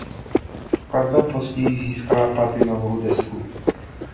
Skladba později získala platinovou desku.